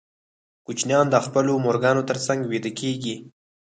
کوچنیان د خپلو مورګانو تر څنګ ویده کېږي.